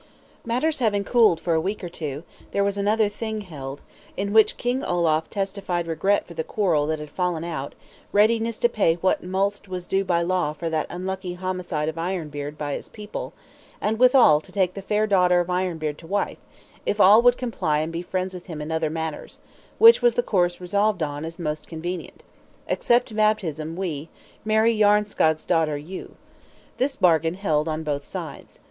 Matters having cooled for a week or two, there was another Thing held; in which King Olaf testified regret for the quarrel that had fallen out, readiness to pay what mulct was due by law for that unlucky homicide of Ironbeard by his people; and, withal, to take the fair daughter of Ironbeard to wife, if all would comply and be friends with him in other matters; which was the course resolved on as most convenient: accept baptism, we; marry Jaernskaegg's daughter, you. This bargain held on both sides.